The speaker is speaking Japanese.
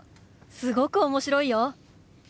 すごく面白いよ！